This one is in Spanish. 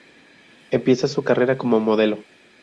Empieza su carrera como modelo.